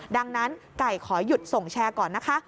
ดังนั้นไก่ขอหยุดส่งแชร์ก่อนนะคะ